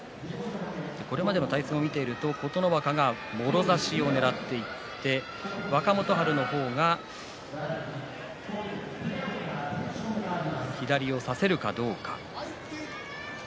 これまでの対戦を見ていると琴ノ若がもろ差しをねらっていって若元春の方が左を差せるかどうか。